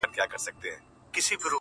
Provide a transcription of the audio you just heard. مورې بيا نو ولې ته _ ماته توروې سترگي _